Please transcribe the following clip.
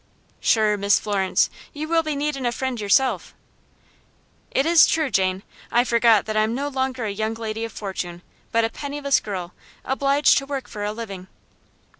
"Shure, Miss Florence, you will be needin' a friend yourself." "It is true, Jane. I forgot that I am no longer a young lady of fortune, but a penniless girl, obliged to work for a living."